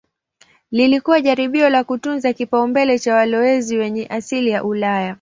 Lilikuwa jaribio la kutunza kipaumbele cha walowezi wenye asili ya Ulaya.